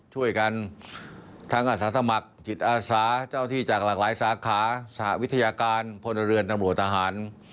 ช่วยกันทั้งอาสาสมัครจิตอาสาเจ้าที่จากหลากหลายสาขาสหวิทยาการพลเรือนตำรวจทหาร